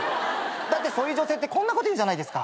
だってそういう女性ってこんなこと言うじゃないですか。